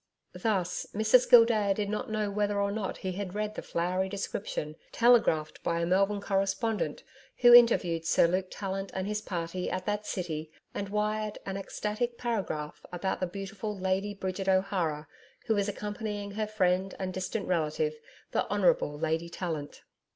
Thus Mrs Gildea did not know whether or not he had read the flowery description telegraphed by a Melbourne correspondent who interviewed Sir Luke Tallant and his party at that city and wired an ecstatic paragraph about the beautiful Lady Bridget O'Hara who was accompanying her friend and distant relative, the Honourable Lady Tallant.